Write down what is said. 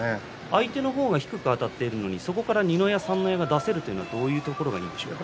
相手の方が低くあたっているのにそこから二の矢三の矢が出せるというのはどういうことですか。